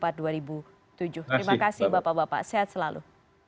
terima kasih bapak bapak sehat selalu